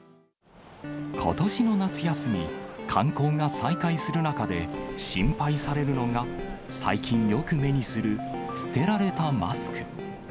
ことしの夏休み、観光が再開する中で心配されるのが最近よく目にする、捨てられたマスク。